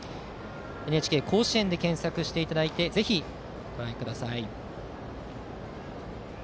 「ＮＨＫ甲子園」で検索していただいてぜひ、ご覧ください。